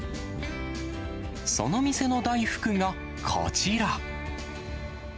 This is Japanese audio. その店の大福がこちら。